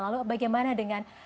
lalu bagaimana dengan